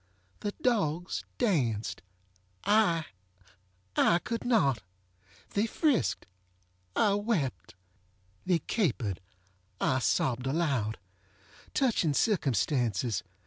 The dogs danced! IŌĆöI could not! They friskedŌĆöI wept. They caperedŌĆöI sobbed aloud. Touching circumstances!